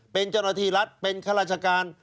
เป็นเจ้าหน้าที่รัฐเป็นข้าราชการ